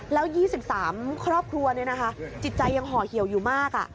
แล้ว๒๓ครอบครัวจิตใจยังห่อเหี่ยวอยู่มาก